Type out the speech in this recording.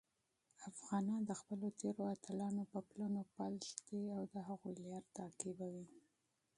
افغانان د خپلو تېرو اتلانو په پلونو پل ږدي او د هغوی لاره تعقیبوي.